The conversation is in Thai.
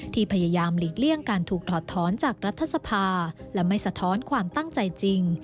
พยายามหลีกเลี่ยงการถูกถอดท้อนจากรัฐสภาและไม่สะท้อนความตั้งใจจริง